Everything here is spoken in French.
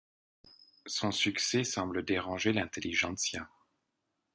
Son succès semble déranger l'intelligentsia.